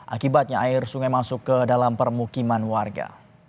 akibatnya air sungai masuk ke dalam permukiman warga